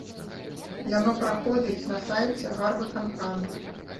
Яно праходзіць на сайце гарвыканкама.